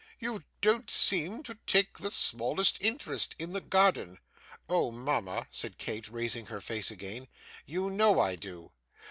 You don't seem to take the smallest interest in the garden.' 'Oh! mama,' said Kate, raising her face again, 'you know I do.